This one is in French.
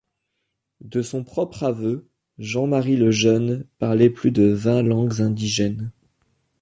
De son propre aveu, Jean-Marie Le Jeune parlait plus de vingt langues indigènes.